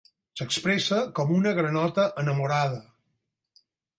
S'expressa com una granota enamorada.